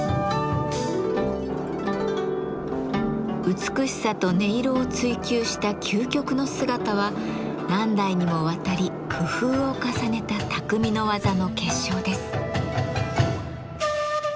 美しさと音色を追求した究極の姿は何代にもわたり工夫を重ねた匠の技の結晶です。